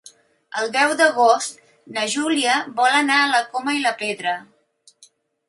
El deu d'agost na Júlia vol anar a la Coma i la Pedra.